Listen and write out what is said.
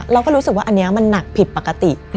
เราก็รู้สึกว่าอันนี้มันหนักผิดปกติ